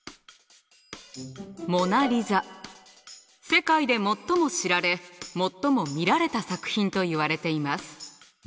世界で最も知られ最も見られた作品といわれています。